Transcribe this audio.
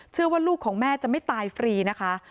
เชื่อว่าลูกของแม่จะไม่ตายฟรีนะคะ